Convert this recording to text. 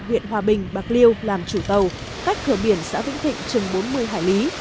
huyện hòa bình bạc liêu làm chủ tàu khách khởi biển xã vĩnh thịnh chừng bốn mươi hải lý